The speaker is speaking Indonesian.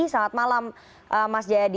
selamat malam mas jayadi